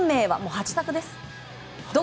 ８択です。